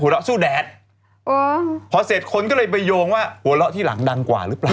เราสู้แดดอ๋อพอเสร็จคนก็เลยไปโยงว่าหัวเราะที่หลังดังกว่าหรือเปล่า